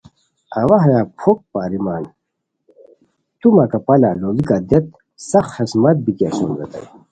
اوا ہیا پھوک پاریمان تو مہ کپالہ لوڑیکہ دیت سخت خسمت بیتی اسوم ریتائے